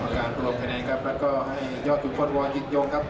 กรรมการพรมคะแนนครับแล้วก็ให้ยอดกลุ่มกวนวอดยุ่นจมครับ